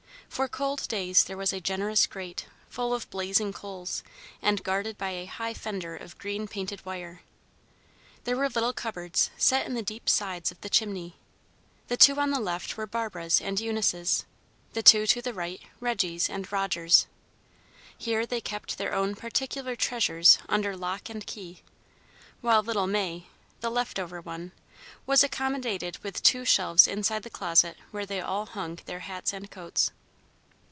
For cold days there was a generous grate, full of blazing coals, and guarded by a high fender of green painted wire. There were little cupboards set in the deep sides of the chimney. The two on the left were Barbara's and Eunice's; the two to the right, Reggy's and Roger's. Here they kept their own particular treasures under lock and key; while little May, the left over one, was accommodated with two shelves inside the closet where they all hung their hats and coats.